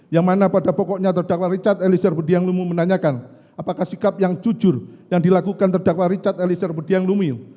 yang mana pada pokoknya terdakwa richard elisir budiang lumiu menanyakan apakah sikap yang jujur yang dilakukan terdakwa richard elisir budiang lumiu